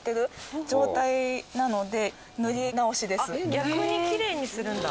逆にきれいにするんだ。